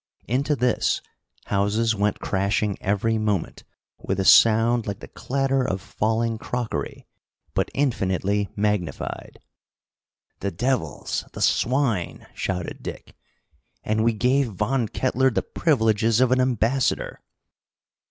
Into this, houses went crashing every moment, with a sound like the clatter of falling crockery, but infinitely magnified. "The devils! The swine!" shouted Dick. "And we gave Von Kettler the privileges of an ambassador!"